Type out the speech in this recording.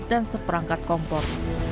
dan seperangkat kompor